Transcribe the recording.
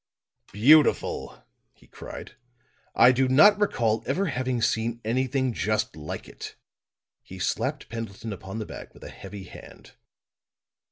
"Beautiful!" he cried. "I do not recall ever having seen anything just like it!" He slapped Pendleton upon the back with a heavy, hand.